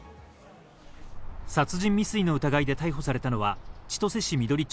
殺人未遂の疑いで逮捕されたのは千歳市緑町